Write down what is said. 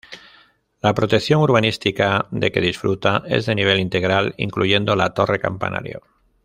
La protección urbanística de que disfruta es de nivel integral, incluyendo la torre campanario.